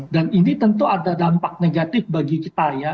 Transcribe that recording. dan ini tentu ada dampak negatif bagi kita ya